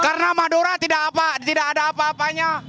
karena madora tidak apa apa nya